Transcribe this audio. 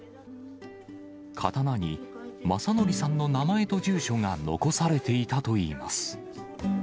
刀に正徳さんの名前と住所が残されていたといいます。